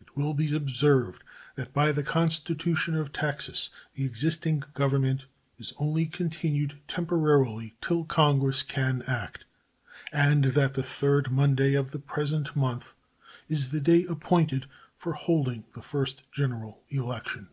It will be observed that by the constitution of Texas the existing government is only continued temporarily till Congress can act, and that the third Monday of the present month is the day appointed for holding the first general election.